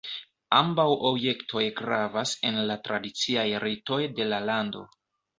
Ambaŭ objektoj gravas en la tradiciaj ritoj de la lando.